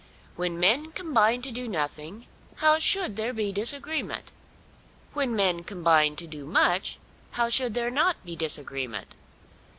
When men combine to do nothing, how should there be disagreement? When men combine to do much, how should there not be disagreement?